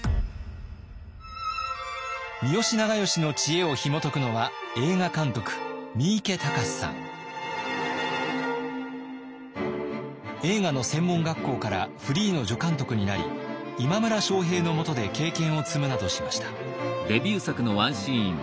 三好長慶の知恵をひもとくのは映画の専門学校からフリーの助監督になり今村昌平のもとで経験を積むなどしました。